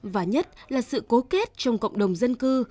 và nhất là sự cố kết trong cộng đồng dân cư